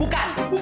bukan su bukan